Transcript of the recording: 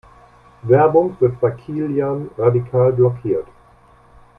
Werbung wird bei Kilian radikal blockiert.